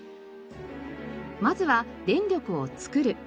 まずは電力をつくる。